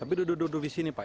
tapi duduk duduk di sini pak